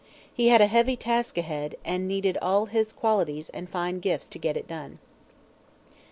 He had a heavy task ahead, and needed all his qualities and fine gifts to get it done.